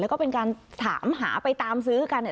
แล้วก็เป็นการถามหาไปตามซื้อกัน